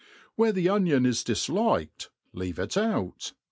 Where the onion is dilliked, leave it out.